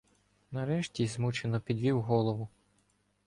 Нарешті змучено підвів голову.